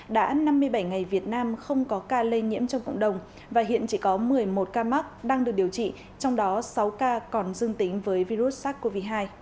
đã năm mươi bảy ngày việt nam không có ca lây nhiễm trong cộng đồng và hiện chỉ có một mươi một ca mắc đang được điều trị trong đó sáu ca còn dương tính với virus sars cov hai